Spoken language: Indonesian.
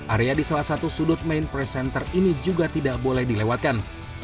area di salah satu sudut main press center ini juga tidak boleh dilewatkan